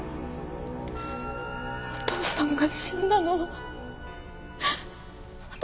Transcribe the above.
お父さんが死んだのは私のせい。